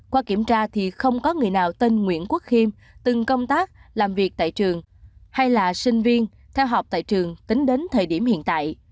qua kiểm tra thì không có người nào tên nguyễn quốc khiêm từng công tác làm việc tại trường hay là sinh viên theo học tại trường tính đến thời điểm hiện tại